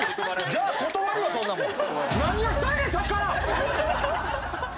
じゃあ断るよそんなもん。